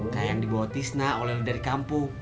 kayak yang dibawa tisna oleh dari kampung